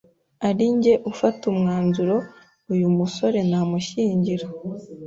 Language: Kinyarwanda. ari njye ufata umwanzuro uyu musore namushyingira